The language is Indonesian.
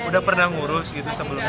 udah pernah ngurus gitu sebelumnya